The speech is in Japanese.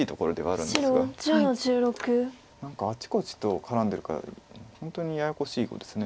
何かあちこちと絡んでるから本当にややこしい碁です。